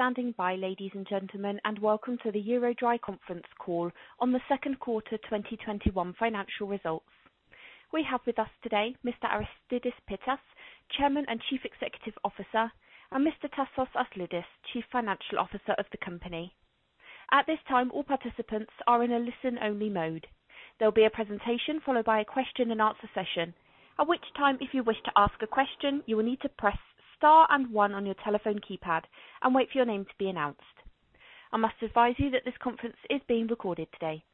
Thank you for standing by, ladies and gentlemen, and welcome to the EuroDry conference call on the second quarter 2021 financial results. We have with us today Mr. Aristides Pittas, Chairman and Chief Executive Officer, and Mr. Anastasios Aslidis, Chief Financial Officer of the company. At this time, all participants are in a listen-only mode. There will be a presentation followed by a question and answer session, at which time if you wish to ask a question, you will need to press star and one on your telephone keypad and wait for your name to be announced. I must advise you that this conference is being recorded today.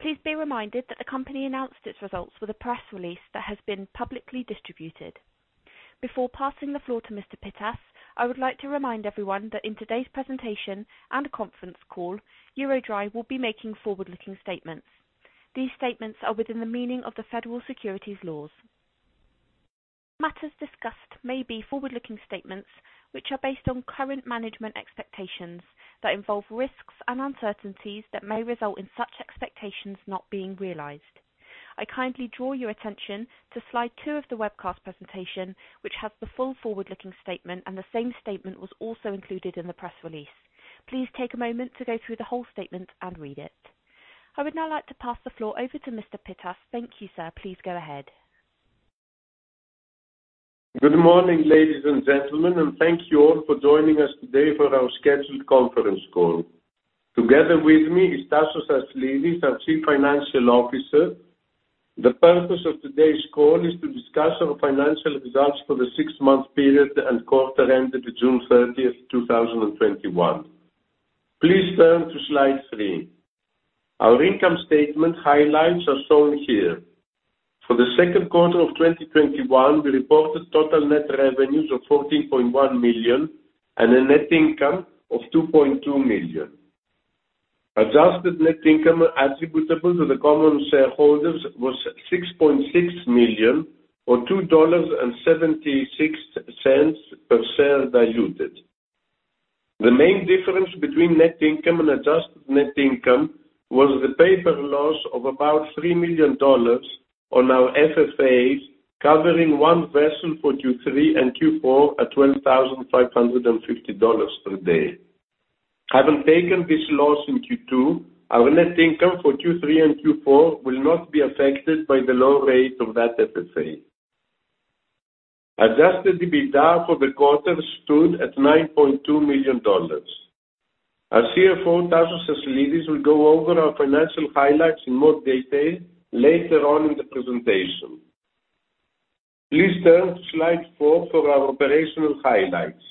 Please be reminded that the company announced its results with a press release that has been publicly distributed. Before passing the floor to Mr. Pittas, I would like to remind everyone that in today's presentation and conference call, EuroDry will be making forward-looking statements. These statements are within the meaning of the federal securities laws. Matters discussed may be forward-looking statements which are based on current management expectations that involve risks and uncertainties that may result in such expectations not being realized. I kindly draw your attention to slide two of the webcast presentation, which has the full forward-looking statement, and the same statement was also included in the press release. Please take a moment to go through the whole statement and read it. I would now like to pass the floor over to Mr. Pittas. Thank you, sir. Please go ahead. Good morning, ladies and gentlemen, and thank you all for joining us today for our scheduled conference call. Together with me is Anastasios Aslidis, our Chief Financial Officer. The purpose of today's call is to discuss our financial results for the six-month period and quarter ended June 30, 2021. Please turn to slide three. Our income statement highlights are shown here. For the second quarter of 2021, we reported total net revenues of $14.1 million and a net income of $2.2 million. Adjusted net income attributable to the common shareholders was $6.6 million or $2.76 per share diluted. The main difference between net income and adjusted net income was the paper loss of about $3 million on our FFAs covering one vessel for Q3 and Q4 at $12,550 per day. Having taken this loss in Q2, our net income for Q3 and Q4 will not be affected by the low rate of that FFA. Adjusted EBITDA for the quarter stood at $9.2 million. Our CFO, Tasos Aslidis, will go over our financial highlights in more detail later on in the presentation. Please turn to slide four for our operational highlights.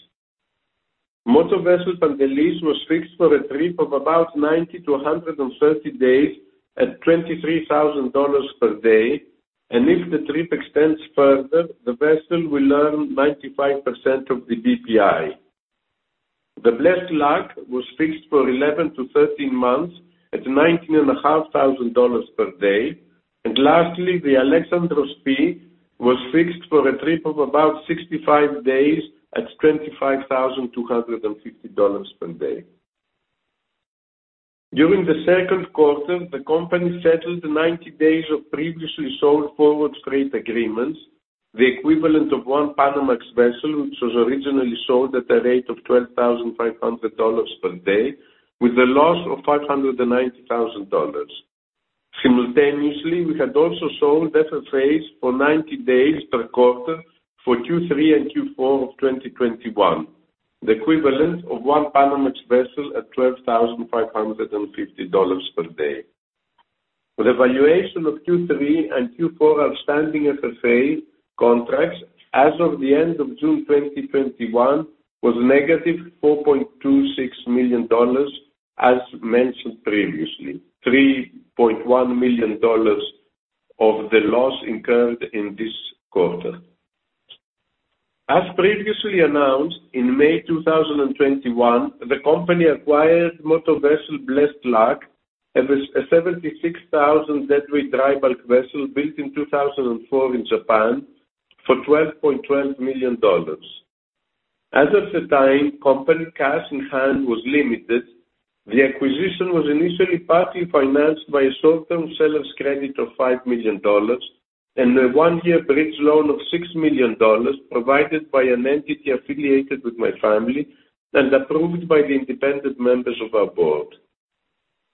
Motor vessel Pantelis was fixed for a trip of about 90-130 days at $23,000 per day, and if the trip extends further, the vessel will earn 95% of the BPI. The Blessed Luck was fixed for 11-13 months at $19,500 per day. Lastly, the Alexandros P was fixed for a trip of about 65 days at $25,250 per day. During the second quarter, the company settled the 90 days of previously sold forward freight agreements, the equivalent of one Panamax vessel, which was originally sold at a rate of $12,500 per day with a loss of $590,000. Simultaneously, we had also sold FFAs for 90 days per quarter for Q3 and Q4 of 2021, the equivalent of one Panamax vessel at $12,550 per day. The valuation of Q3 and Q4 outstanding FFA contracts as of the end of June 2021 was -$4.26 million, as mentioned previously, $3.1 million of the loss incurred in this quarter. As previously announced, in May 2021, the company acquired motor vessel Blessed Luck and a 76,000 deadweight dry bulk vessel built in 2004 in Japan for $12.12 million. As of the time, company cash in hand was limited. The acquisition was initially partly financed by a short-term seller's credit of $5 million and a one-year bridge loan of $6 million provided by an entity affiliated with my family and approved by the independent members of our board.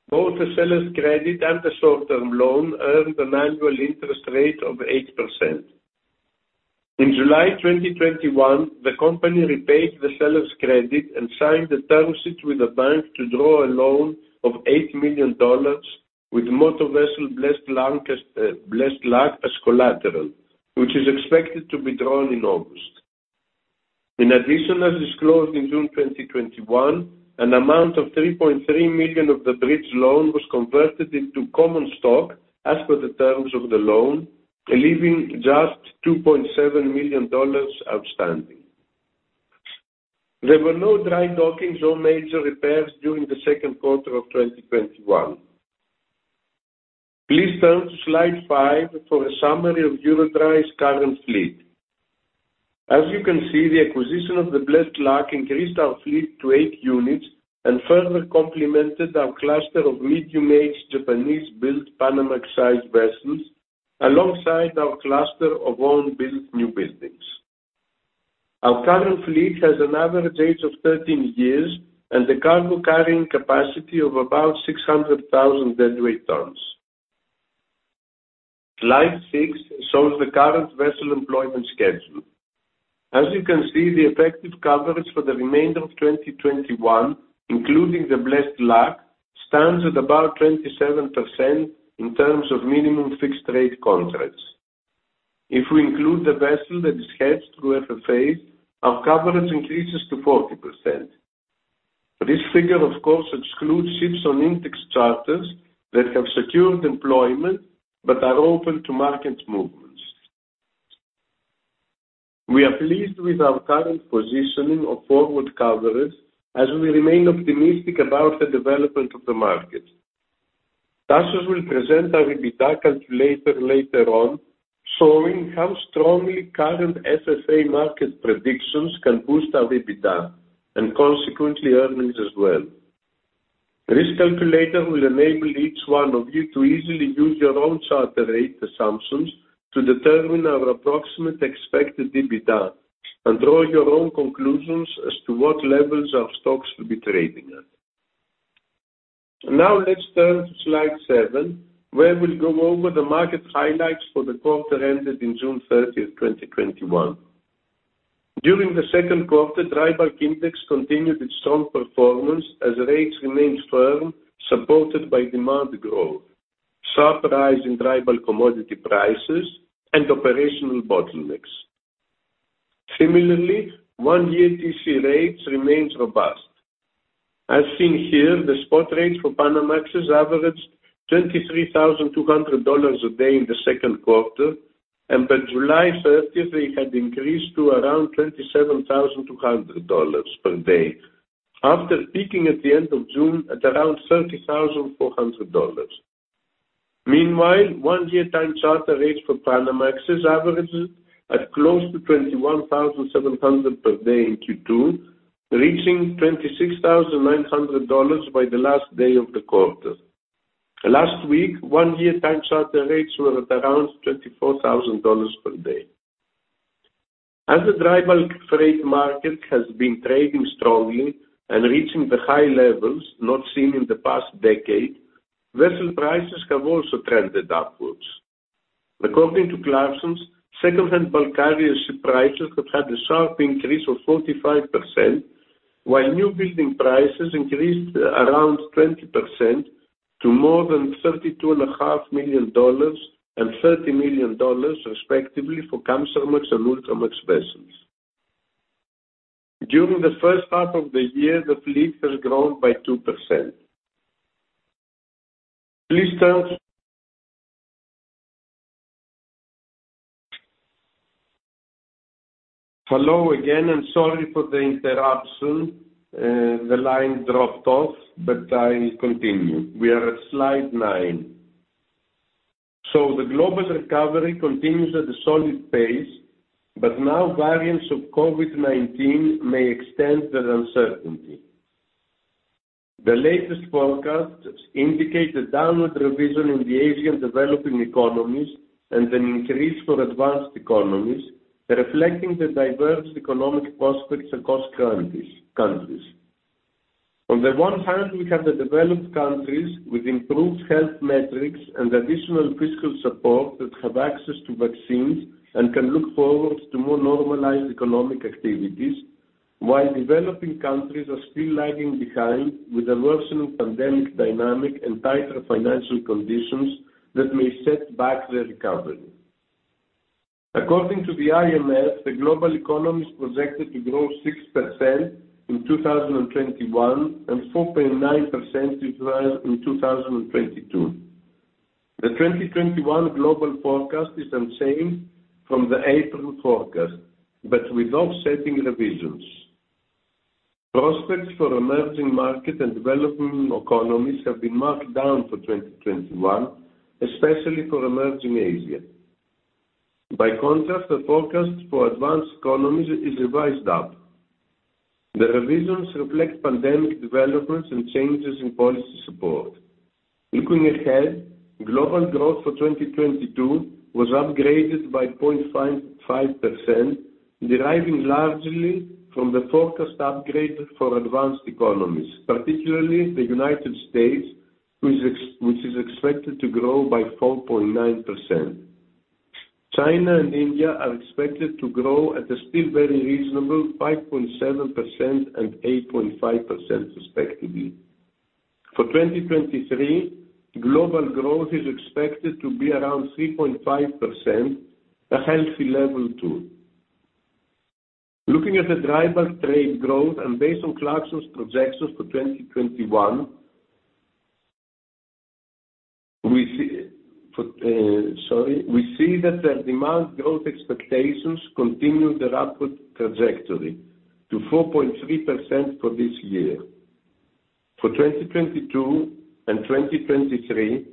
Both the seller's credit and the short-term loan earned an annual interest rate of 8%. In July 2021, the company repaid the seller's credit and signed a term sheet with a bank to draw a loan of $8 million with motor vessel Blessed Luck as collateral, which is expected to be drawn in August. In addition, as disclosed in June 2021, an amount of $3.3 million of the bridge loan was converted into common stock as per the terms of the loan, leaving just $2.7 million outstanding. There were no dry dockings or major repairs during the second quarter of 2021. Please turn to slide five for a summary of EuroDry's current fleet. As you can see, the acquisition of the Blessed Luck increased our fleet to eight units and further complemented our cluster of medium-age Japanese-built Panamax-sized vessels. Alongside our cluster of own-built new buildings. Our current fleet has an average age of 13 years and the cargo carrying capacity of about 600,000 deadweight tons. Slide six shows the current vessel employment schedule. As you can see, the effective coverage for the remainder of 2021, including the Blessed Luck, stands at about 27% in terms of minimum fixed rate contracts. If we include the vessel that is hedged through FFAs, our coverage increases to 40%. This figure, of course, excludes ships on index charters that have secured employment but are open to market movements. We are pleased with our current positioning of forward coverage as we remain optimistic about the development of the market. Tasos will present our EBITDA calculator later on, showing how strongly current FFAs market predictions can boost our EBITDA and consequently earnings as well. This calculator will enable each one of you to easily use your own charter rate assumptions to determine our approximate expected EBITDA and draw your own conclusions as to what levels our stocks will be trading at. Now let's turn to slide seven, where we'll go over the market highlights for the quarter ended in June 30th, 2021. During the second quarter, dry bulk index continued its strong performance as rates remained firm, supported by demand growth, sharp rise in dry bulk commodity prices, and operational bottlenecks. Similarly, one-year TC rates remains robust. As seen here, the spot rates for Panamax has averaged $23,200 a day in the second quarter, and by July 30th, they had increased to around $27,200 per day, after peaking at the end of June at around $30,400. Meanwhile, one-year time charter rates for Panamax is averaged at close to $21,700 per day in Q2, reaching $26,900 by the last day of the quarter. Last week, one-year time charter rates were at around $24,000 per day. As the dry bulk freight market has been trading strongly and reaching the high levels not seen in the past decade, vessel prices have also trended upwards. According to Clarksons, secondhand bulk carrier ship prices have had a sharp increase of 45%, while new building prices increased around 20% to more than $32.5 million and $30 million, respectively, for Kamsarmax and Ultramax vessels. During the first half of the year, the fleet has grown by 2%. Please turn. Hello again, and sorry for the interruption. The line dropped off, I continue. We are at slide nine. The global recovery continues at a solid pace, now variants of COVID-19 may extend the uncertainty. The latest forecasts indicate a downward revision in the Asian developing economies and an increase for advanced economies, reflecting the diverse economic prospects across countries. On the one hand, we have the developed countries with improved health metrics and additional fiscal support that have access to vaccines and can look forward to more normalized economic activities, while developing countries are still lagging behind with a worsening pandemic dynamic and tighter financial conditions that may set back their recovery. According to the IMF, the global economy is projected to grow 6% in 2021 and 4.9% in rise in 2022. The 2021 global forecast is unchanged from the April forecast, but with offsetting revisions. Prospects for emerging market and developing economies have been marked down for 2021, especially for emerging Asia. By contrast, the forecast for advanced economies is revised up. The revisions reflect pandemic developments and changes in policy support. Looking ahead, global growth for 2022 was upgraded by 0.5%, deriving largely from the forecast upgrade for advanced economies, particularly the United States, which is expected to grow by 4.9%. China and India are expected to grow at a still very reasonable 5.7% and 8.5%, respectively. For 2023, global growth is expected to be around 3.5%, a healthy level, too. Looking at the dry bulk trade growth and based on Clarksons projections for 2021, we see that the demand growth expectations continue their upward trajectory to 4.3% for this year. For 2022 and 2023,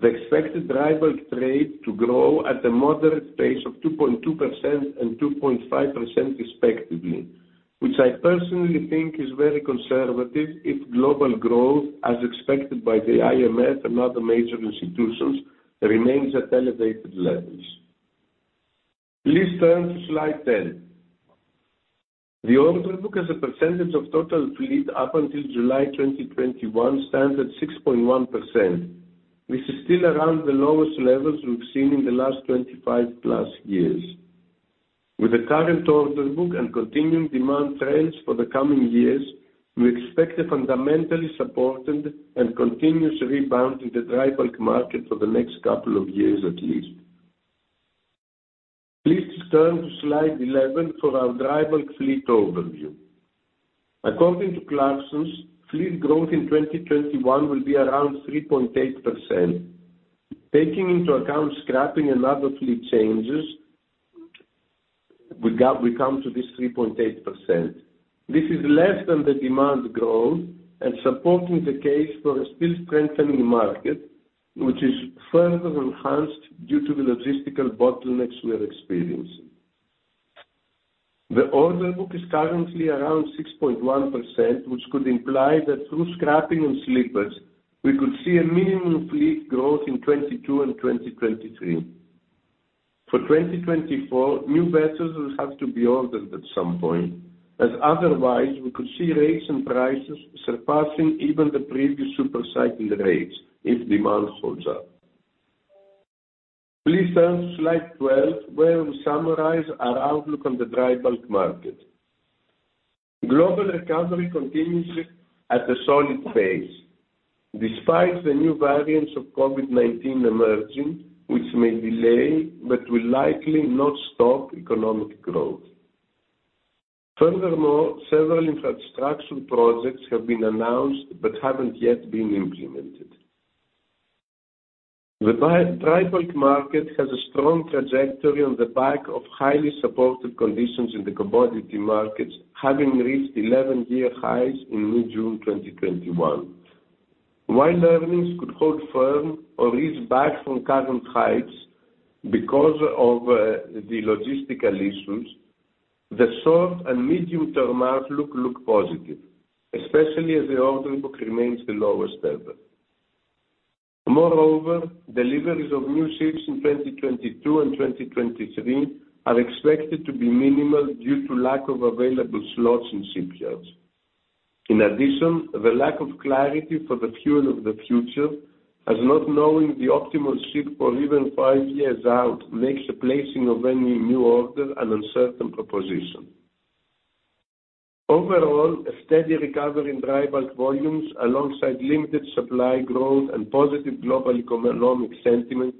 they expect the dry bulk trade to grow at a moderate pace of 2.2% and 2.5%, respectively. I personally think is very conservative if global growth, as expected by the IMF and other major institutions, remains at elevated levels. Please turn to slide 10. The order book as a percentage of total fleet up until July 2021 stands at 6.1%. This is still around the lowest levels we've seen in the last 25+ years. With the current order book and continuing demand trends for the coming years, we expect a fundamentally supported and continuous rebound in the dry bulk market for the next couple of years at least. Please turn to slide 11 for our dry bulk fleet overview. According to Clarksons, fleet growth in 2021 will be around 3.8%. Taking into account scrapping and other fleet changes, we come to this 3.8%. This is less than the demand growth and supporting the case for a still strengthening market, which is further enhanced due to the logistical bottlenecks we are experiencing. The order book is currently around 6.1%, which could imply that through scrapping and slippage, we could see a minimum fleet growth in 2022 and 2023. For 2024, new vessels will have to be ordered at some point, as otherwise, we could see rates and prices surpassing even the previous super cycled rates if demand holds up. Please turn to slide 12, where we summarize our outlook on the dry bulk market. Global recovery continues at a solid pace despite the new variants of COVID-19 emerging, which may delay but will likely not stop economic growth. Furthermore, several infrastructure projects have been announced but haven't yet been implemented. The dry bulk market has a strong trajectory on the back of highly supportive conditions in the commodity markets, having reached 11-year highs in mid-June 2021. While earnings could hold firm or ease back from current heights because of the logistical issues, the short- and medium-term outlook look positive, especially as the order book remains the lowest ever. Moreover, deliveries of new ships in 2022 and 2023 are expected to be minimal due to lack of available slots in shipyards. In addition, the lack of clarity for the fuel of the future, as not knowing the optimal ship for even five years out makes the placing of any new order an uncertain proposition. Overall, a steady recovery in dry bulk volumes alongside limited supply growth and positive global economic sentiment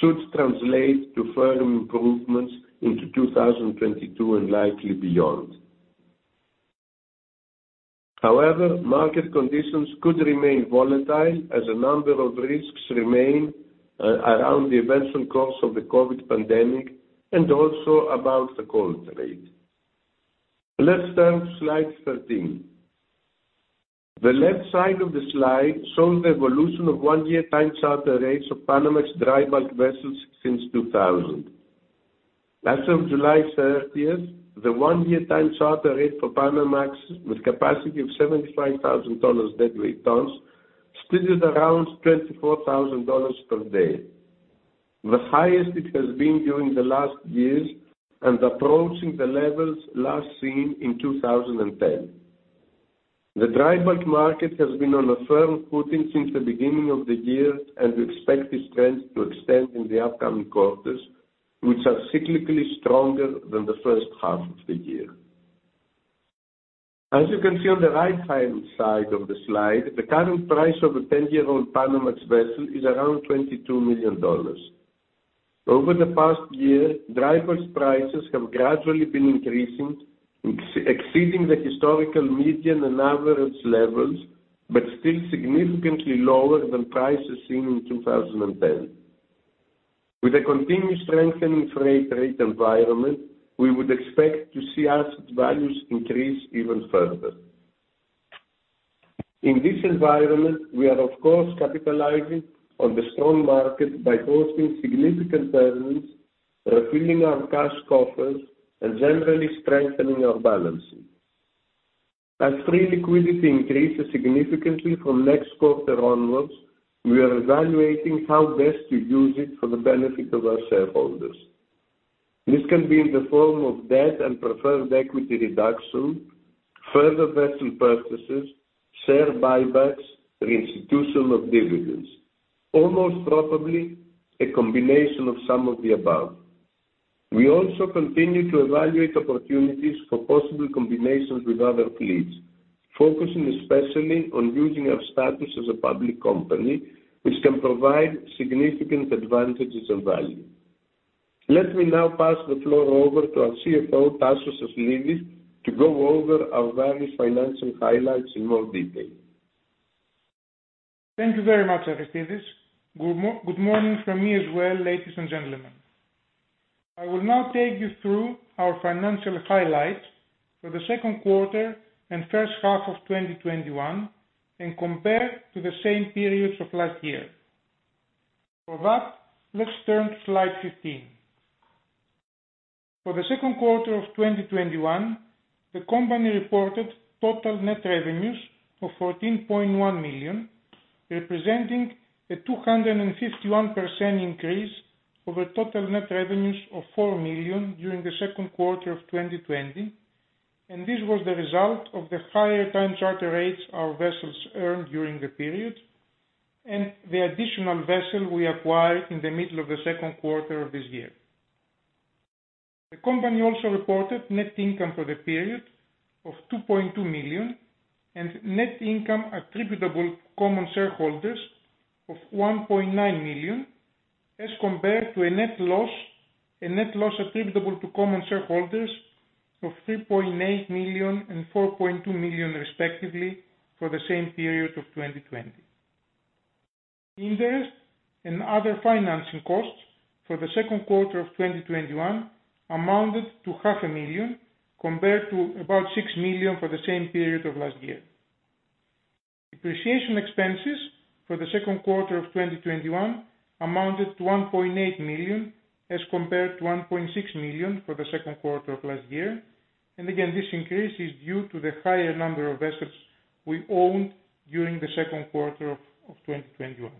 should translate to firm improvements into 2022 and likely beyond. Market conditions could remain volatile as a number of risks remain around the eventual course of the COVID-19 pandemic and also about the coal trade. Let's turn to slide 13. The left side of the slide shows the evolution of one-year time charter rates of Panamax dry bulk vessels since 2000. As of July 30th, the one-year time charter rate for Panamax with capacity of 75,000 deadweight tons stood at around $24,000 per day, the highest it has been during the last years and approaching the levels last seen in 2010. The dry bulk market has been on a firm footing since the beginning of the year, and we expect this trend to extend in the upcoming quarters, which are cyclically stronger than the first half of the year. As you can see on the right-hand side of the slide, the current price of a 10-year-old Panamax vessel is around $22 million. Over the past year, dry bulk prices have gradually been increasing, exceeding the historical median and average levels, but still significantly lower than prices seen in 2010. With a continued strengthening freight rate environment, we would expect to see asset values increase even further. In this environment, we are of course capitalizing on the strong market by posting significant earnings, refilling our cash coffers, and generally strengthening our balance sheet. As free liquidity increases significantly from next quarter onwards, we are evaluating how best to use it for the benefit of our shareholders. This can be in the form of debt and preferred equity reduction, further vessel purchases, share buybacks, reinstitution of dividends, or most probably, a combination of some of the above. We also continue to evaluate opportunities for possible combinations with other fleets, focusing especially on using our status as a public company, which can provide significant advantages and value. Let me now pass the floor over to our CFO, Anastasios Aslidis, to go over our various financial highlights in more detail. Thank you very much, Aristides. Good morning from me as well, ladies and gentlemen. I will now take you through our financial highlights for the second quarter and first half of 2021 and compare to the same periods of last year. For that, let's turn to slide 15. For the second quarter of 2021, the company reported total net revenues of $14.1 million, representing a 251% increase over total net revenues of $4 million during the second quarter of 2020. This was the result of the higher time charter rates our vessels earned during the period, and the additional vessel we acquired in the middle of the second quarter of this year. The company also reported net income for the period of $2.2 million and net income attributable to common shareholders of $1.9 million as compared to a net loss attributable to common shareholders of $3.8 million and $4.2 million, respectively, for the same period of 2020. Interest and other financing costs for the second quarter of 2021 amounted to $500,000 compared to about $6 million for the same period of last year. Depreciation expenses for the second quarter of 2021 amounted to $1.8 million as compared to $1.6 million for the second quarter of last year. Again, this increase is due to the higher number of assets we owned during the second quarter of 2021.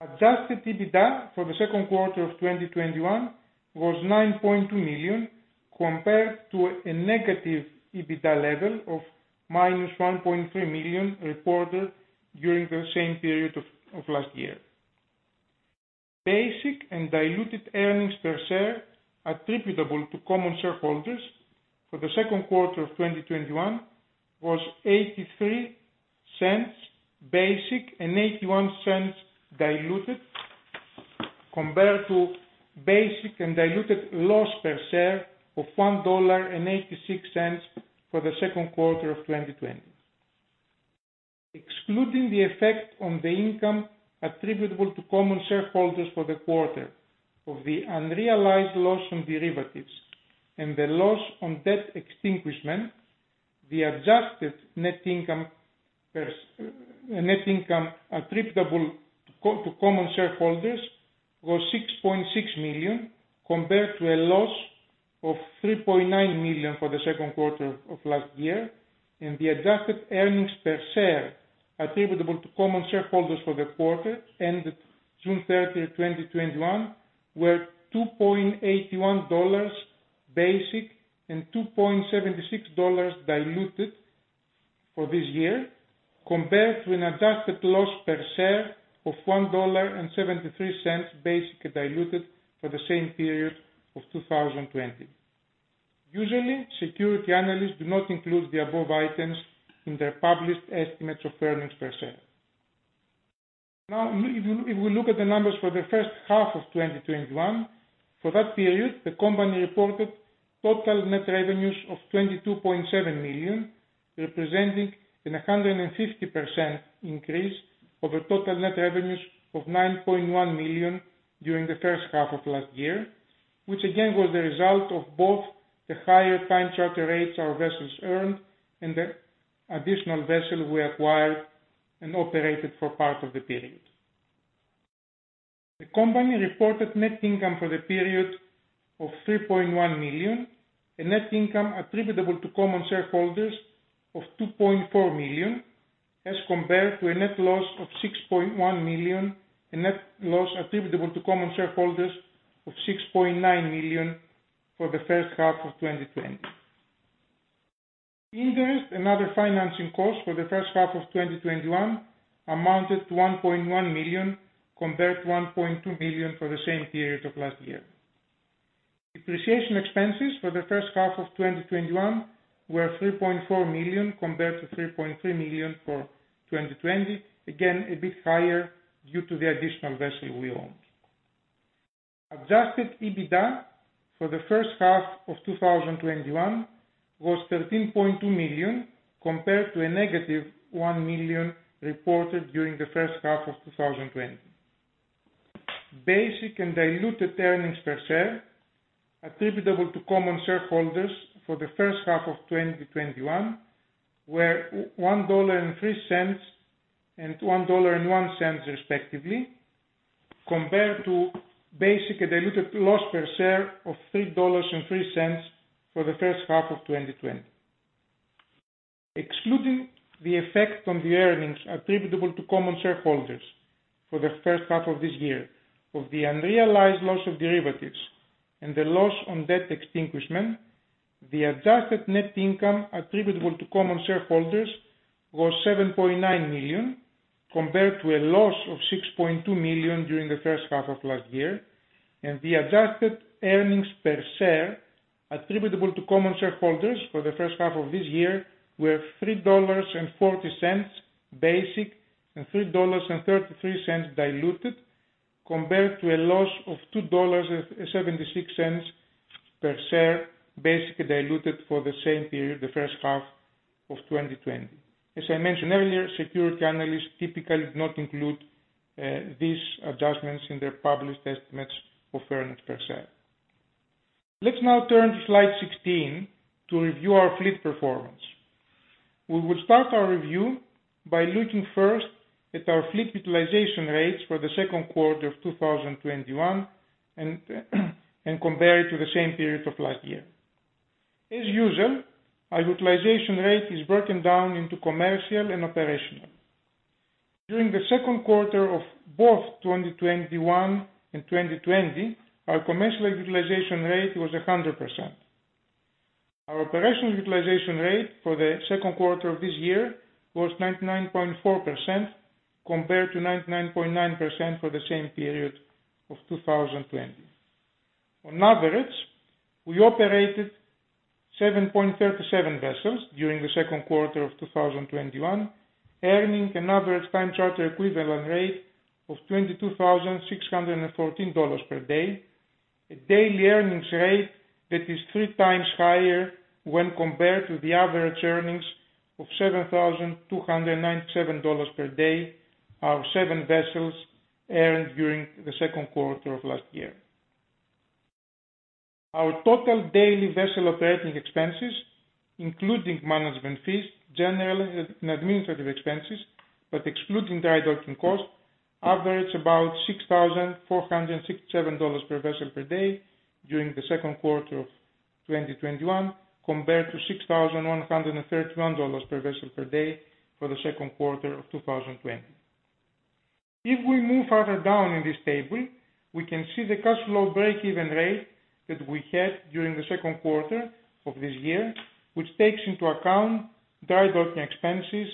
Adjusted EBITDA for the second quarter of 2021 was $9.2 million compared to a negative EBITDA level of -$1.3 million reported during the same period of last year. Basic and diluted earnings per share attributable to common shareholders for the second quarter of 2021 was $0.83 basic and $0.81 diluted compared to basic and diluted loss per share of $1.86 for the second quarter of 2020. Excluding the effect on the income attributable to common shareholders for the quarter of the unrealized loss on derivatives and the loss on debt extinguishment, the adjusted net income attributable to common shareholders was $6.6 million, compared to a loss of $3.9 million for the second quarter of last year. The adjusted earnings per share attributable to common shareholders for the quarter ended June 30th, 2021, were $2.81 basic and $2.76 diluted for this year, compared to an adjusted loss per share of $1.73 basic and diluted for the same period of 2020. Usually, security analysts do not include the above items in their published estimates of earnings per share. Now, if we look at the numbers for the first half of 2021, for that period, the company reported total net revenues of $22.7 million, representing a 150% increase over total net revenues of $9.1 million during the first half of last year, which again, was the result of both the higher time charter rates our vessels earned and the additional vessel we acquired and operated for part of the period. The company reported net income for the period of $3.1 million and net income attributable to common shareholders of $2.4 million, as compared to a net loss of $6.1 million and net loss attributable to common shareholders of $6.9 million for the first half of 2020. Interest and other financing costs for the first half of 2021 amounted to $1.1 million compared to $1.2 million for the same period of last year. Depreciation expenses for the first half of 2021 were $3.4 million compared to $3.3 million for 2020. Again, a bit higher due to the additional vessel we own. Adjusted EBITDA for the first half of 2021 was $13.2 million compared to a -$1 million reported during the first half of 2020. Basic and diluted earnings per share attributable to common shareholders for the first half of 2021 were $1.03 and $1.01 respectively, compared to basic and diluted loss per share of $3.03 for the first half of 2020. Excluding the effect on the earnings attributable to common shareholders for the first half of this year of the unrealized loss of derivatives and the loss on debt extinguishment, the adjusted net income attributable to common shareholders was $7.9 million compared to a loss of $6.2 million during the first half of last year. The adjusted earnings per share attributable to common shareholders for the first half of this year were $3.40 basic and $3.33 diluted compared to a loss of $2.76 per share basic and diluted for the same period, the first half of 2020. As I mentioned earlier, security analysts typically do not include these adjustments in their published estimates of earnings per share. Let's now turn to slide 16 to review our fleet performance. We will start our review by looking first at our fleet utilization rates for the second quarter of 2021 and compare it to the same period of last year. As usual, our utilization rate is broken down into commercial and operational. During the second quarter of both 2021 and 2020, our commercial utilization rate was 100%. Our operational utilization rate for the second quarter of this year was 99.4%, compared to 99.9% for the same period of 2020. On average, we operated 7.37 vessels during the second quarter of 2021, earning an average Time Charter Equivalent rate of $22,614 per day, a daily earnings rate that is 3 times higher when compared to the average earnings of $7,297 per day our 7 vessels earned during the second quarter of last year. Our total daily vessel operating expenses, including management fees, general and administrative expenses, but excluding dry docking costs, average about $6,467 per vessel per day during the second quarter of 2021, compared to $6,131 per vessel per day for the second quarter of 2020. If we move further down in this table, we can see the cash flow break-even rate that we had during the second quarter of this year, which takes into account dry docking expenses,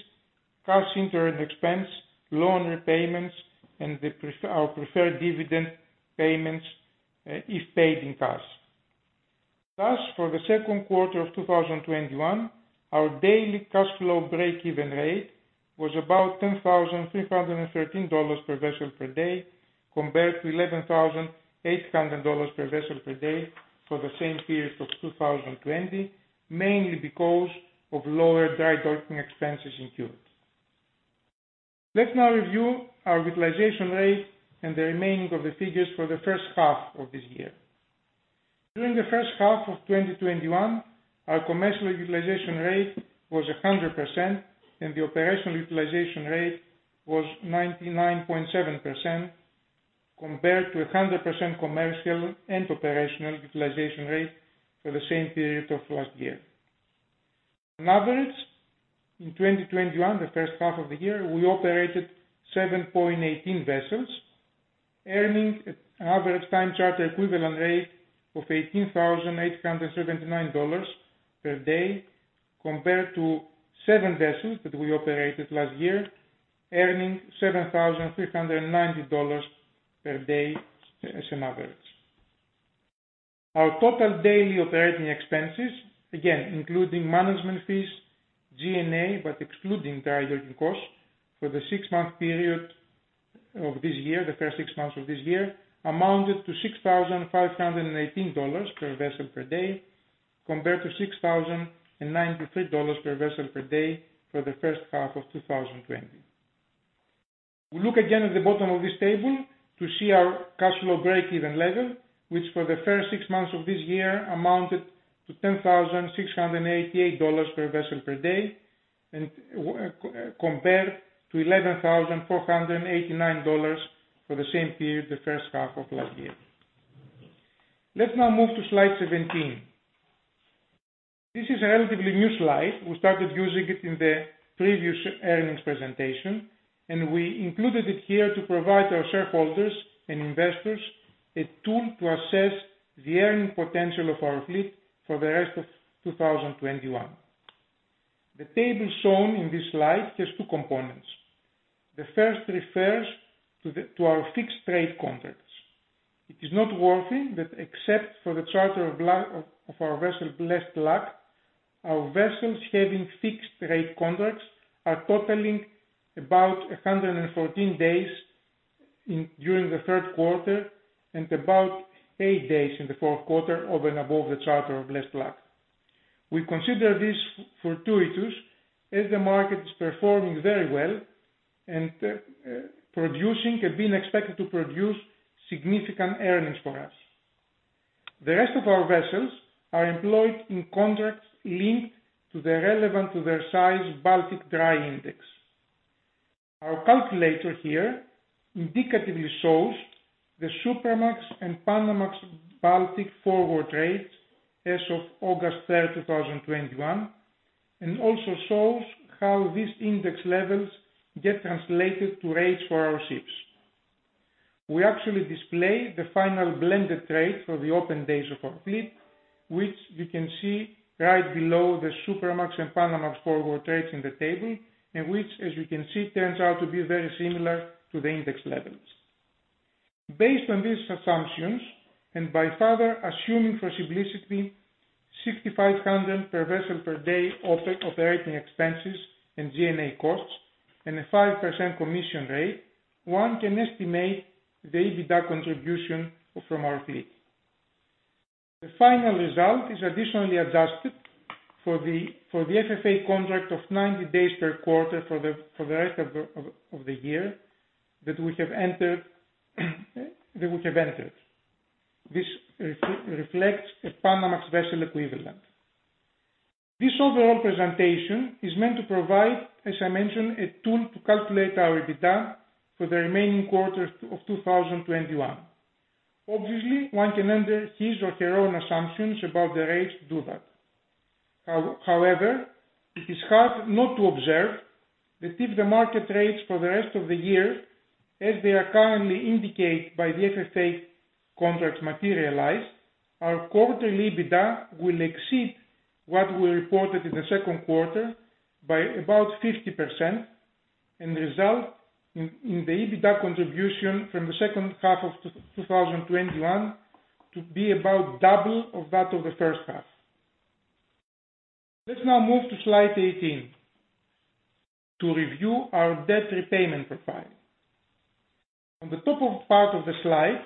cash interest expense, loan repayments, and our preferred dividend payments, if paid in cash. Thus, for the second quarter of 2021, our daily cash flow break-even rate was about $10,313 per vessel per day, compared to $11,800 per vessel per day for the same period of 2020, mainly because of lower dry docking expenses incurred. Let's now review our utilization rate and the remaining of the figures for the first half of this year. During the first half of 2021, our commercial utilization rate was 100%, and the operational utilization rate was 99.7%, compared to 100% commercial and operational utilization rate for the same period of last year. On average, in 2021, the first half of the year, we operated 7.18 vessels, earning an average Time Charter Equivalent rate of $18,879 per day, compared to seven vessels that we operated last year, earning $7,390 per day as an average. Our total daily operating expenses, again, including management fees, G&A, but excluding dry docking costs, for the six-month period of this year, the first six months of this year, amounted to $6,518 per vessel per day, compared to $6,093 per vessel per day for the first half of 2020. We look again at the bottom of this table to see our cash flow break-even level, which for the first six months of this year amounted to $10,688 per vessel per day, and compared to $11,489 for the same period, the first half of last year. Let's now move to slide 17. This is a relatively new slide. We started using it in the previous earnings presentation, and we included it here to provide our shareholders and investors a tool to assess the earning potential of our fleet for the rest of 2021. The table shown in this slide has two components. The first refers to our fixed rate contracts. It is noteworthy that except for the charter of our vessel Blessed Luck, our vessels having fixed rate contracts are totaling about 114 days during the third quarter and about eight days in the fourth quarter over and above the charter of Blessed Luck. We consider this fortuitous as the market is performing very well and producing, have been expected to produce significant earnings for us. The rest of our vessels are employed in contracts linked to the relevant to their size Baltic Dry Index. Our calculator here indicatively shows the Supramax and Panamax Baltic forward rates as of August 3rd, 2021, and also shows how these index levels get translated to rates for our ships. We actually display the final blended rate for the open days of our fleet, which you can see right below the Supramax and Panamax forward rates in the table, and which, as you can see, turns out to be very similar to the index levels. Based on these assumptions, and by further assuming for simplicity $6,500 per vessel per day operating expenses and G&A costs and a 5% commission rate, one can estimate the EBITDA contribution from our fleet. The final result is additionally adjusted for the FFA contract of 90 days per quarter for the rest of the year that we have entered. This reflects a Panamax vessel equivalent. This overall presentation is meant to provide, as I mentioned, a tool to calculate our EBITDA for the remaining quarters of 2021. Obviously, one can enter his or her own assumptions about the rates to do that. However, it is hard not to observe that if the market rates for the rest of the year, as they are currently indicated by the FFA contracts materialize, our quarterly EBITDA will exceed what we reported in the second quarter by about 50%, and result in the EBITDA contribution from the second half of 2021 to be about double of that of the first half. Let's now move to slide 18 to review our debt repayment profile. On the top part of the slide,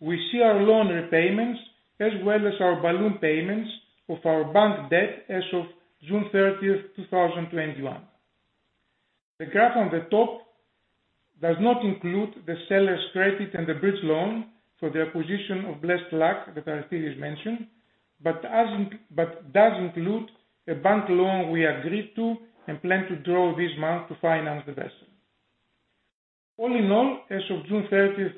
we see our loan repayments as well as our balloon payments of our bank debt as of June 30th, 2021. The graph on the top does not include the seller's credit and the bridge loan for the acquisition of Blessed Luck that Aristides mentioned, but does include a bank loan we agreed to and plan to draw this month to finance the vessel. All in all, as of June 30th,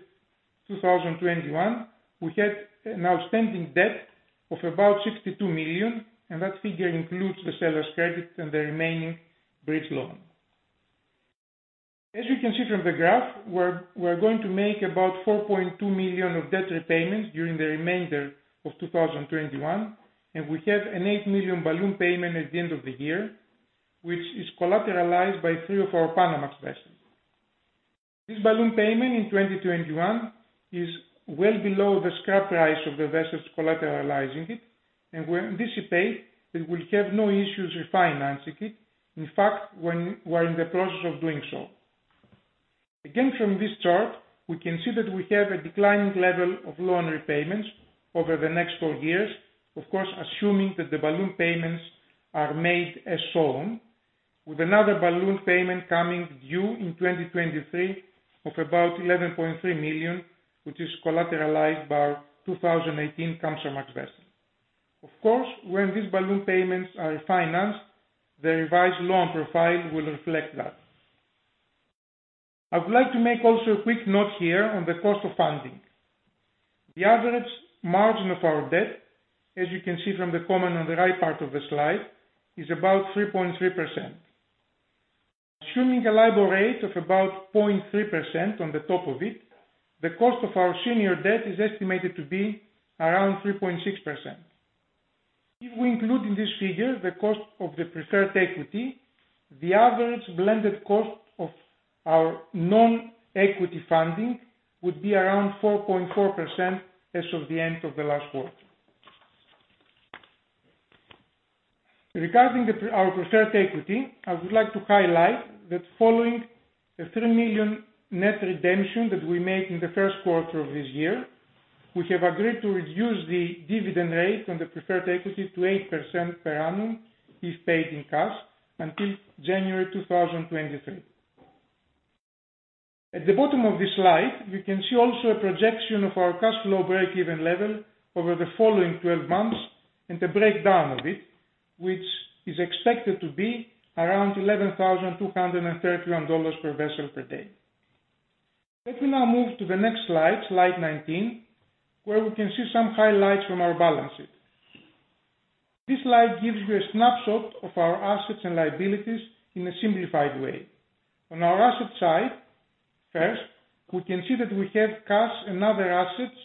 2021, we had an outstanding debt of about $62 million, and that figure includes the seller's credit and the remaining bridge loan. As you can see from the graph, we're going to make about $4.2 million of debt repayments during the remainder of 2021, and we have an $8 million balloon payment at the end of the year, which is collateralized by three of our Panamax vessels. This balloon payment in 2021 is well below the scrap price of the vessels collateralizing it, and we anticipate that we'll have no issues refinancing it. In fact, we're in the process of doing so. Again, from this chart, we can see that we have a declining level of loan repayments over the next four years, of course, assuming that the balloon payments are made as shown, with another balloon payment coming due in 2023 of about $11.3 million, which is collateralized by our 2018 Kamsarmax vessel. Of course, when these balloon payments are financed, the revised loan profile will reflect that. I would like to make also a quick note here on the cost of funding. The average margin of our debt, as you can see from the column on the right part of the slide, is about 3.3%. Assuming a LIBOR rate of about 0.3% on the top of it, the cost of our senior debt is estimated to be around 3.6%. If we include in this figure the cost of the preferred equity, the average blended cost of our non-equity funding would be around 4.4% as of the end of the last quarter. Regarding our preferred equity, I would like to highlight that following the $3 million net redemption that we made in the first quarter of this year, we have agreed to reduce the dividend rate on the preferred equity to 8% per annum, if paid in cash, until January 2023. At the bottom of this slide, we can see also a projection of our cash flow breakeven level over the following 12 months and a breakdown of it, which is expected to be around $11,231 per vessel per day. Let me now move to the next slide 19, where we can see some highlights from our balance sheet. This slide gives you a snapshot of our assets and liabilities in a simplified way. On our asset side, first, we can see that we have cash and other assets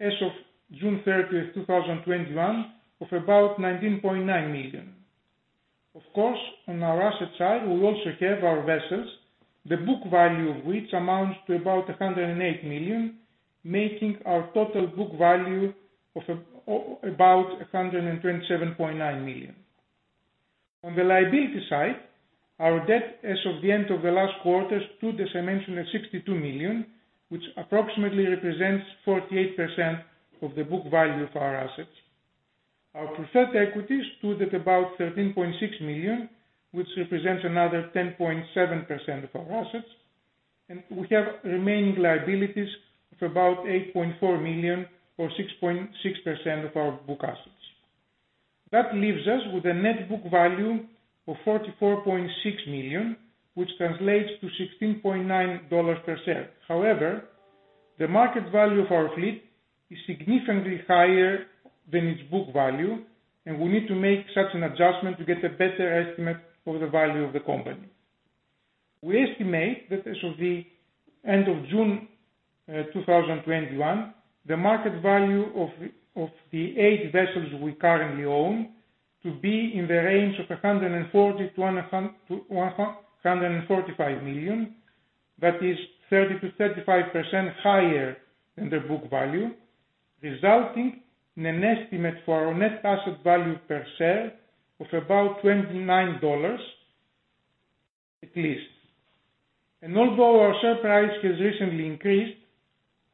as of June 30th, 2021, of about $19.9 million. Of course, on our asset side, we also have our vessels, the book value of which amounts to about $108 million, making our total book value about $127.9 million. On the liability side, our debt as of the end of the last quarter stood, as I mentioned, at $62 million, which approximately represents 48% of the book value of our assets. Our preferred equity stood at about $13.6 million, which represents another 10.7% of our assets, and we have remaining liabilities of about $8.4 million, or 6.6% of our book assets. That leaves us with a net book value of $44.6 million, which translates to $16.9 per share. However, the market value of our fleet is significantly higher than its book value, and we need to make such an adjustment to get a better estimate of the value of the company. We estimate that as of the end of June 2021, the market value of the eight vessels we currently own to be in the range of $140 million-$145 million. That is 30%-35% higher than their book value, resulting in an estimate for our net asset value per share of about $29. At least. Although our share price has recently increased,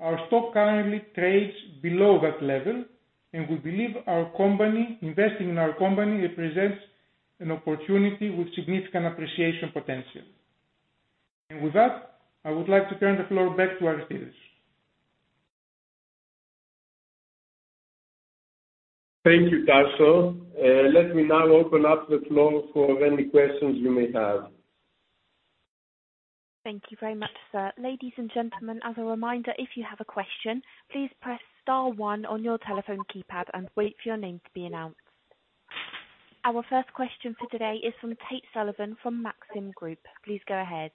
our stock currently trades below that level, and we believe investing in our company represents an opportunity with significant appreciation potential. With that, I would like to turn the floor back to Aristides. Thank you, Taso. Let me now open up the floor for any questions you may have. Thank you very much, sir. Ladies and gentlemen, as a reminder, if you have a question, please press star one on your telephone keypad and wait for your name to be announced. Our first question for today is from Tate Sullivan from Maxim Group. Please go ahead.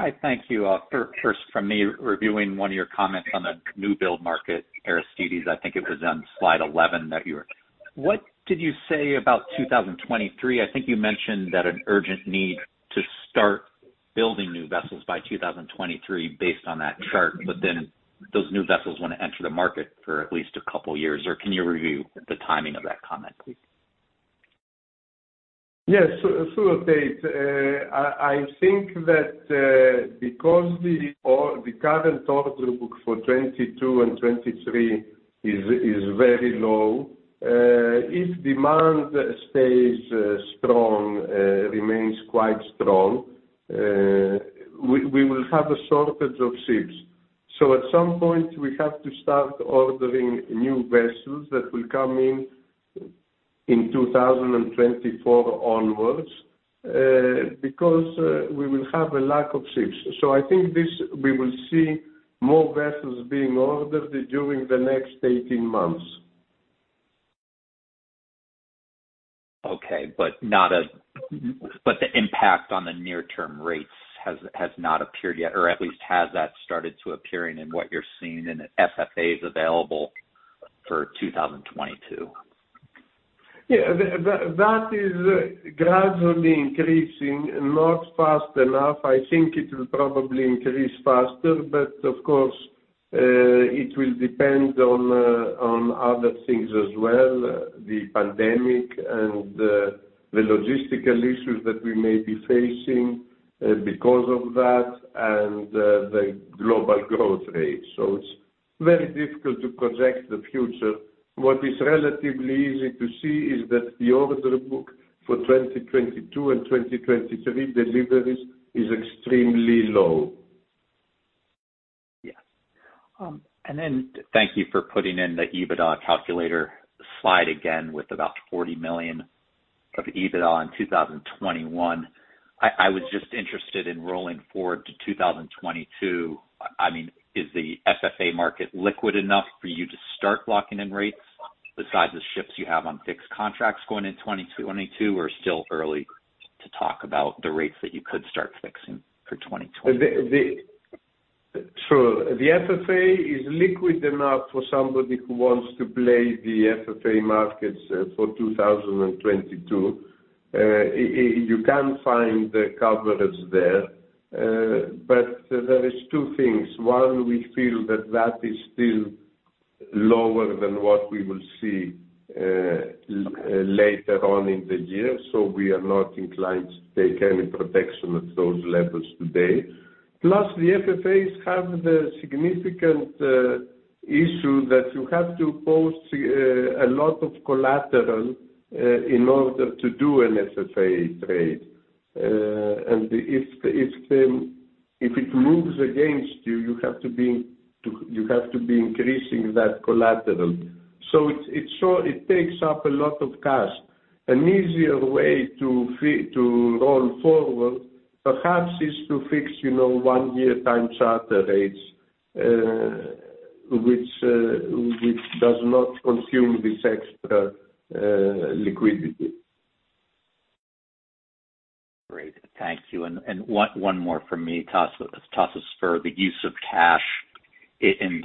Hi. Thank you. First from me, reviewing one of your comments on the new build market, Aristides, I think it was on slide 11. What did you say about 2023? I think you mentioned that an urgent need to start building new vessels by 2023 based on that chart. Those new vessels want to enter the market for at least a couple of years. Can you review the timing of that comment, please? Yes. Sure, Tate. I think that because the current order book for 2022 and 2023 is very low, if demand remains quite strong, we will have a shortage of ships. At some point, we have to start ordering new vessels that will come in 2024 onwards, because we will have a lack of ships. I think we will see more vessels being ordered during the next 18 months. Okay. The impact on the near term rates has not appeared yet, or at least has that started to appearing in what you're seeing in FFAs available for 2022? That is gradually increasing, not fast enough. I think it will probably increase faster, but of course, it will depend on other things as well, the pandemic and the logistical issues that we may be facing because of that and the global growth rate. It's very difficult to project the future. What is relatively easy to see is that the order book for 2022 and 2023 deliveries is extremely low. Yes. Thank you for putting in the EBITDA calculator slide again with about $40 million of EBITDA in 2021. I was just interested in rolling forward to 2022. Is the FFA market liquid enough for you to start locking in rates besides the ships you have on fixed contracts going in 2022, or still early to talk about the rates that you could start fixing for 2022? The FFA is liquid enough for somebody who wants to play the FFA markets for 2022. You can find the coverage there. There is two things. One, we feel that that is still lower than what we will see later on in the year. We are not inclined to take any protection at those levels today. Plus, the FFAs have the significant issue that you have to post a lot of collateral in order to do an FFA trade. If it moves against you have to be increasing that collateral. It takes up a lot of cash. An easier way to roll forward, perhaps, is to fix one year time charter rates, which does not consume this extra liquidity. Great. Thank you. One more from me, Tasos. Tasos, for the use of cash in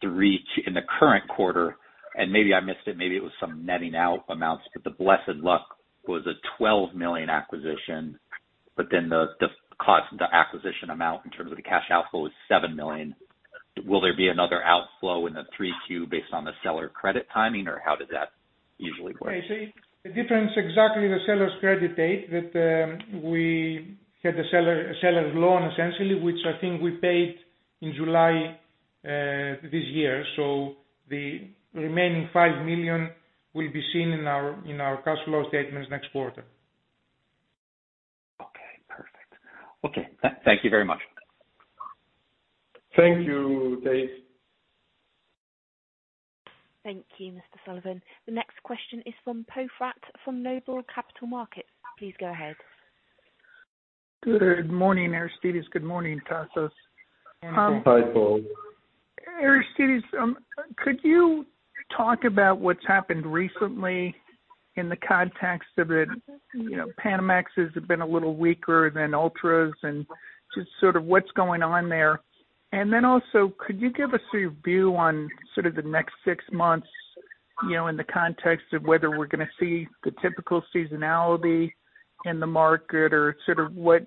the current quarter, and maybe I missed it, maybe it was some netting out amounts, but the Blessed Luck was a $12 million acquisition, but then the acquisition amount in terms of the cash outflow is $7 million. Will there be another outflow in the 3Q based on the seller credit timing, or how does that usually work? The difference exactly the seller's credit debt that we had the seller's loan essentially, which I think we paid in July this year. The remaining $5 million will be seen in our cash flow statements next quarter. Okay, perfect. Okay, thank you very much. Thank you, Tate. Thank you, Mr. Sullivan. The next question is from Poe Fratt from Noble Capital Markets. Please go ahead. Good morning, Aristides. Good morning, Tasos. Hi, Poe. Aristides, could you talk about what's happened recently in the context of it, Panamax has been a little weaker than Ultras, and just sort of what's going on there. Also, could you give us your view on sort of the next six months, in the context of whether we're going to see the typical seasonality in the market or sort of what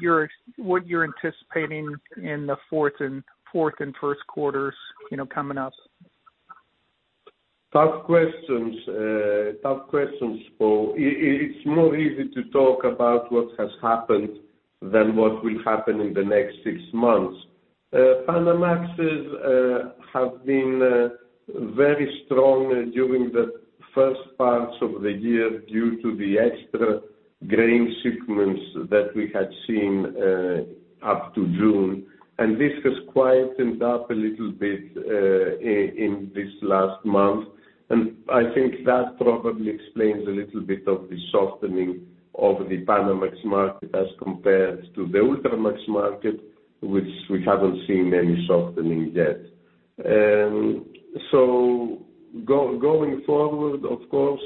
you're anticipating in the fourth and first quarters coming up? Tough questions, Poe. It's more easy to talk about what has happened than what will happen in the next six months. Panamax have been very strong during the first parts of the year due to the extra grain shipments that we had seen up to June. This has quietened up a little bit in this last month. I think that probably explains a little bit of the softening of the Panamax market as compared to the Ultramax market, which we haven't seen any softening yet. Going forward, of course,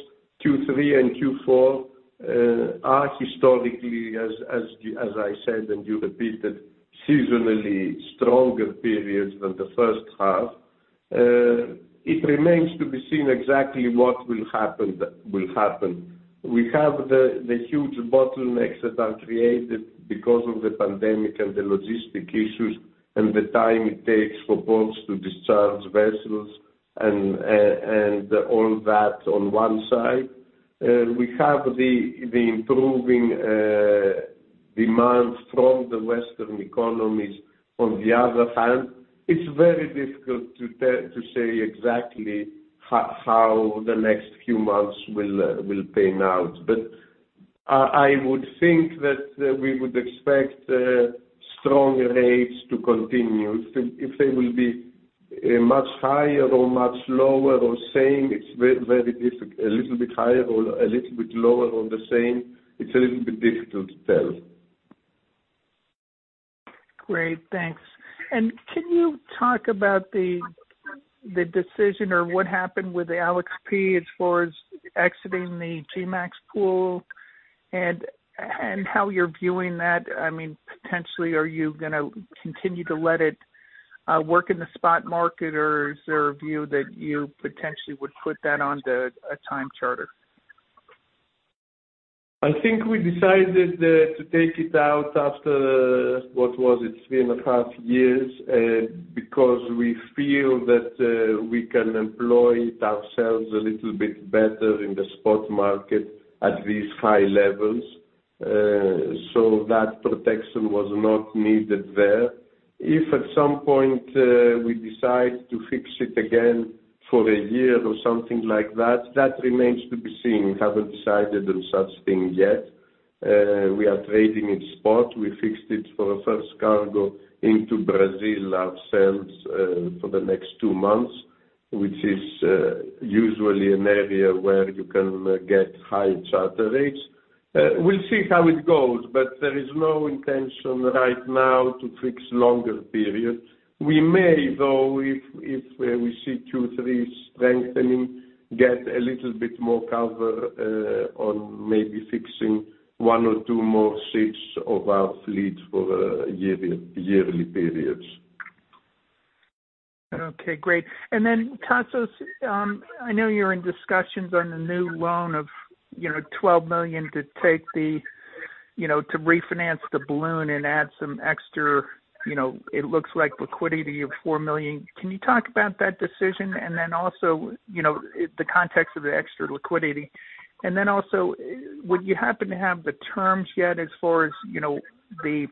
Q3 and Q4 are historically, as I said and you repeated, seasonally stronger periods than the first half. It remains to be seen exactly what will happen. We have the huge bottlenecks that are created because of the pandemic and the logistic issues, and the time it takes for ports to discharge vessels and all that on one side. We have the improving demand from the Western economies on the other hand. It's very difficult to say exactly how the next few months will pan out. I would think that we would expect strong rates to continue. If they will be much higher or much lower or same, a little bit higher or a little bit lower or the same, it's a little bit difficult to tell. Great. Thanks. Can you talk about the decision or what happened with the Alexandros P as far as exiting the Gmax pool and how you're viewing that? Potentially, are you going to continue to let it work in the spot market or is there a view that you potentially would put that onto a time charter? I think we decided to take it out after, what was it, three and a half years because we feel that we can employ it ourselves a little bit better in the spot market at these high levels. That protection was not needed there. If at some point we decide to fix it again for a year or something like that remains to be seen. We haven't decided on such thing yet. We are trading it spot. We fixed it for a first cargo into Brazil ourselves for the next two months, which is usually an area where you can get high charter rates. We'll see how it goes but there is no intention right now to fix longer period. We may, though, if we see Q3 strengthening, get a little bit more cover on maybe fixing one or two more ships of our fleet for yearly periods. Okay, great. Tasos, I know you're in discussions on the new loan of $12 million to refinance the balloon and add some extra, it looks like liquidity of $4 million. Can you talk about that decision? Also, the context of the extra liquidity. Also, would you happen to have the terms yet as far as the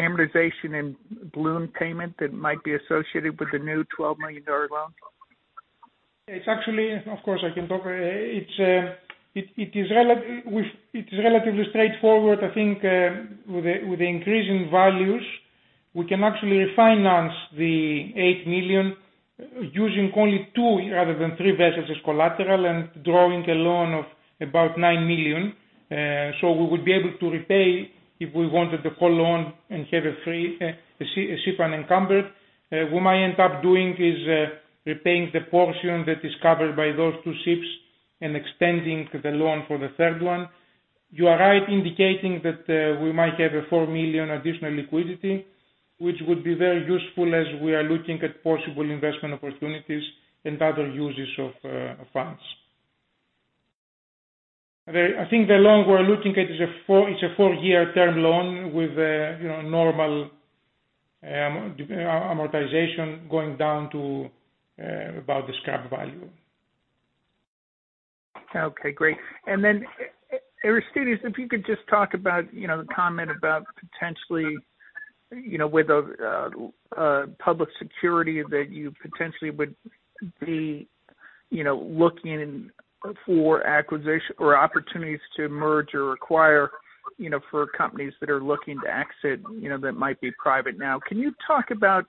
amortization and balloon payment that might be associated with the new $12 million loan? Of course, I can talk. It is relatively straightforward. I think with the increase in values, we can actually refinance the $8 million using only two rather than three vessels as collateral and drawing a loan of about $9 million. We would be able to repay if we wanted the full loan and have a ship unencumbered. What I end up doing is repaying the portion that is covered by those two ships and extending the loan for the third one. You are right indicating that we might have a $4 million additional liquidity, which would be very useful as we are looking at possible investment opportunities and other uses of funds. I think the loan we're looking at, it's a four-year term loan with a normal amortization going down to about the scrap value. Okay, great. Aristides, if you could just talk about the comment about potentially, with a public security that you potentially would be looking in for acquisition or opportunities to merge or acquire for companies that are looking to exit that might be private now. Can you talk about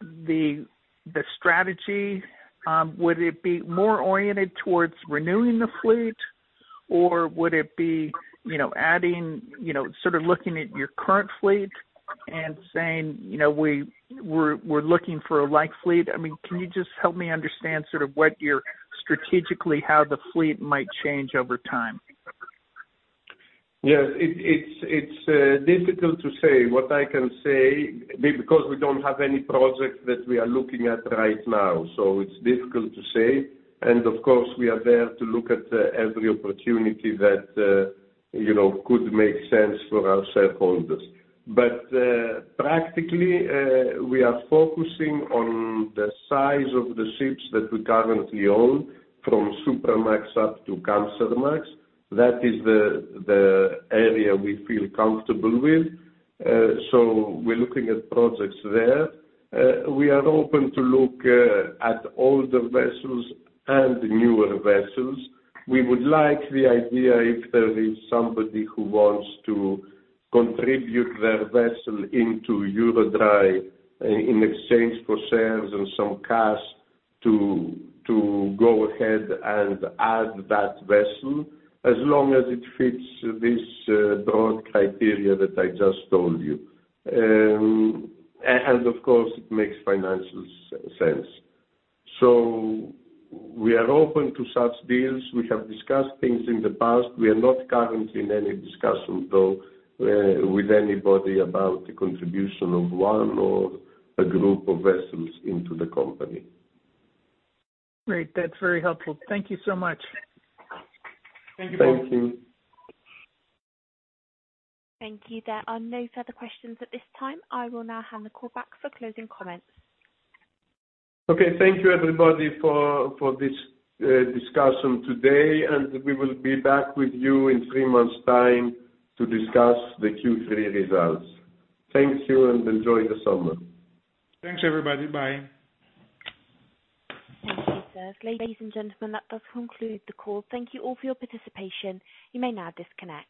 the strategy? Would it be more oriented towards renewing the fleet or would it be adding, sort of looking at your current fleet and saying, "We're looking for a like fleet"? Can you just help me understand sort of strategically how the fleet might change over time? Yes. It's difficult to say. What I can say, because we don't have any project that we are looking at right now, it's difficult to say. Of course, we are there to look at every opportunity that could make sense for our shareholders. Practically, we are focusing on the size of the ships that we currently own, from Supramax up to Capesize. That is the area we feel comfortable with. We're looking at projects there. We are open to look at older vessels and newer vessels. We would like the idea if there is somebody who wants to contribute their vessel into EuroDry in exchange for shares and some cash to go ahead and add that vessel as long as it fits this broad criteria that I just told you. Of course, it makes financial sense. We are open to such deals. We have discussed things in the past. We are not currently in any discussion, though, with anybody about the contribution of one or a group of vessels into the company. Great. That's very helpful. Thank you so much. Thank you. Thank you. Thank you. There are no further questions at this time. I will now hand the call back for closing comments. Okay, thank you, everybody, for this discussion today. We will be back with you in three months' time to discuss the Q3 results. Thank you, and enjoy the summer. Thanks, everybody. Bye. Thank you, sir. Ladies and gentlemen, that does conclude the call. Thank you all for your participation. You may now disconnect.